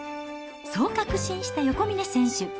そう確信した横峯選手。